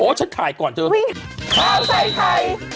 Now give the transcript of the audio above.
โอ้ฉันถ่ายก่อนเถอะ